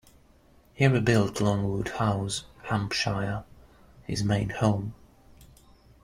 He rebuilt Longwood House, Hampshire, his main home.